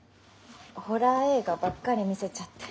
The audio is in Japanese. ホラー映画ばっかり見せちゃって。